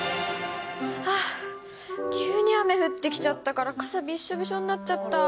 ああ、急に雨降ってきちゃったから、傘びっしょびしょになっちゃった。